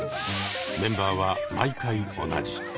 メンバーは毎回同じ。